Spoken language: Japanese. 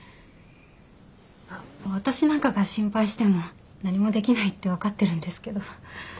私なんかが心配しても何もできないって分かってるんですけど。